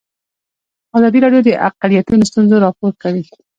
ازادي راډیو د اقلیتونه ستونزې راپور کړي.